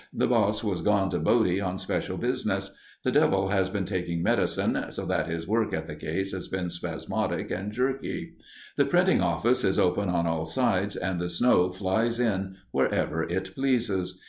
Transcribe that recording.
The boss has gone to Bodie on special business. The devil has been taking medicine, so that his work at the case has been spasmodic and jerky. The printing office is open on all sides, and the snow flies in wherever it pleases.